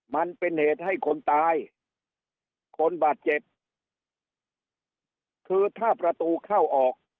มันเป็นเหตุให้คนตายคนบาดเจ็บคือถ้าประตูเข้าออก